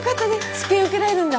治験受けられるんだ？